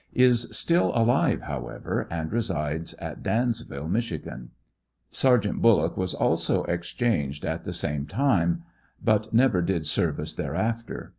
Is still alive, however, and resides at Dans ville, Mich. Sergt. Bullock was also exchanged at the same time, but never did service thereafter.